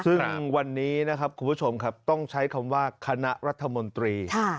ซึ่งวันนี้นะครับคุณผู้ชมครับต้องใช้คำว่าคณะรัฐมนตรี